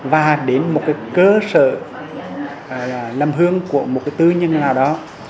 và đến một cái cơ sở làm hương của một cái tư nhân nào đó